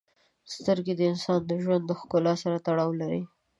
• سترګې د انسان د ژوند د ښکلا سره تړاو لري.